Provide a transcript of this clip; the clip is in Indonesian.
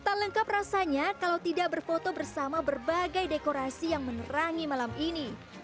tak lengkap rasanya kalau tidak berfoto bersama berbagai dekorasi yang menerangi malam ini